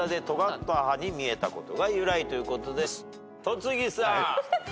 戸次さん。